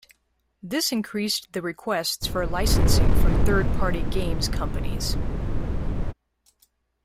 This increased the requests for licensing from third-party games companies.